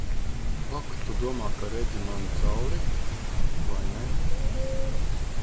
Ak, tu domā, ka redzi man cauri, vai ne?